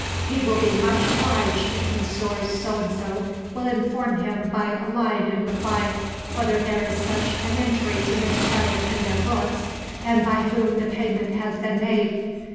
He will be much obliged if Messrs. So and So will inform him by a line in reply, whether there is such an entry to his credit in their books, and by whom the payment has been made.